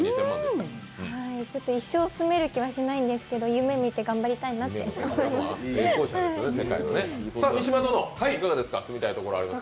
一生住める気はしないんですけど、夢を見て頑張りたいと思います。